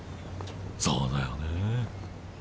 そうだよね。